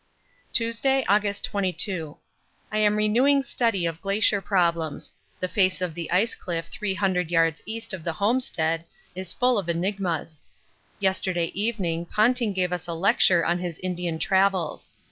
Tuesday, August 22. I am renewing study of glacier problems; the face of the ice cliff 300 yards east of the homestead is full of enigmas. Yesterday evening Ponting gave us a lecture on his Indian travels.